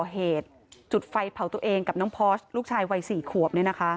เหตุจุดไฟเผาตัวเองกับน้องพอสลูกชายวัย๔ขวบ